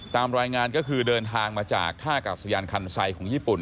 ตามรายงานก็คือเดินทางมาจากท่ากาศยานคันไซค์ของญี่ปุ่น